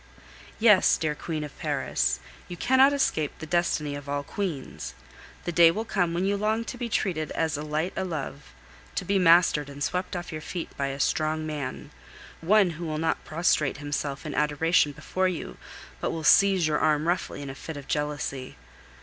Yes, dear Queen of Paris, you cannot escape the destiny of all queens. The day will come when you long to be treated as a light o' love, to be mastered and swept off your feet by a strong man, one who will not prostrate himself in adoration before you, but will seize your arm roughly in a fit of jealousy.